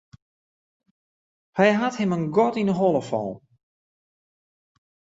Hy hat him in gat yn 'e holle fallen.